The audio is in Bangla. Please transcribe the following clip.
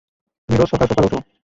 তুমি রোজ সকাল সকাল ওঠো।